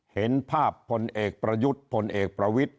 เห็นภาพพลเอกประยุทธ์พลเอกประวิทธิ